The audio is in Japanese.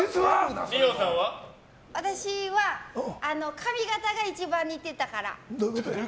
私は髪型が一番似てたから。